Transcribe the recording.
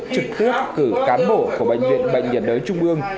trực tiếp cử cán bộ của bệnh viện bệnh nhiệt đới trung ương